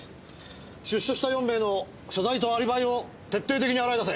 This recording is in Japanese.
出所した４名の所在とアリバイを徹底的に洗い出せ。